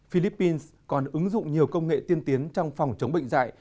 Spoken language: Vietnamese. philippines còn ứng dụng nhiều công nghệ tiên tiến trong phòng chống bệnh dạy